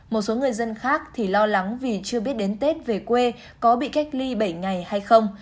một số người dân khác thì lo lắng vì chưa biết đến tết về quê có bị cách ly bảy ngày hay không